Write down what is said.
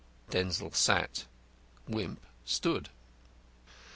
Denzil sat. Wimp stood.